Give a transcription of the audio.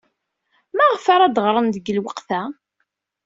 Maɣef ara d-ɣren deg lweqt-a?